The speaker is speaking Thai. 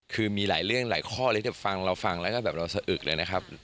คือมีหลายเรื่องหลายข้อเลยที่ฟังเราฟังแล้วก็แบบเราสะอึกเลยนะครับ